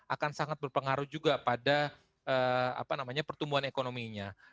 akan sangat berpengaruh juga pada pertumbuhan ekonominya